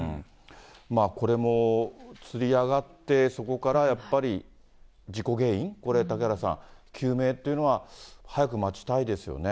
これもつり上がって、そこからやっぱり事故原因、これ嵩原さん、究明というのは早く待ちたいですよね。